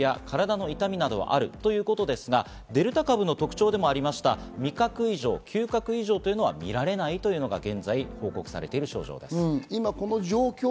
強い頭痛や体の痛みなどはあるということですが、デルタ株の特徴でもありました、味覚異常、嗅覚異常というのは見られないというのが現在報告されている症状です。